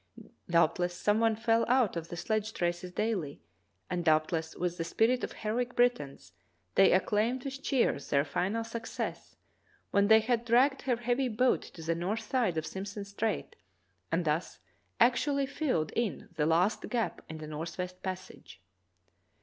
Doubtless some one fell out of the sledge traces daily, and doubtless, with the spirit of heroic Britons, they acclaimed with cheers their final success when they had dragged their heavy boat to the north side of Simpson Strait and thus actually filled in the last gap in the northwest passage.